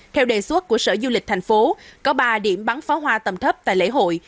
theo đề xuất của sở du lịch thành phố có ba điểm bắn pháo hoa tầm thấp tại lễ hội